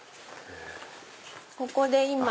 ここで今。